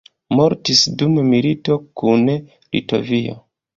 Mortis dum milito kun Litovio.